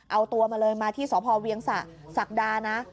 เอาตัวมาเลยมาที่สพเวียงสะศักดานะ